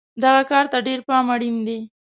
دغه کار ته ډېر پام اړین دی.